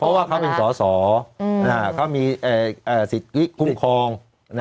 เพราะว่าเขาเป็นสอสอเขามีสิทธิคุ้มครอง